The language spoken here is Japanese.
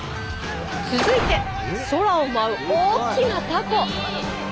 続いて空を舞う大きなたこ。